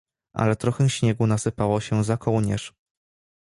Ale trochę śniegu nasypało się za kołnierz.